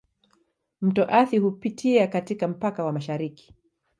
Mto Athi hupitia katika mpaka wa mashariki.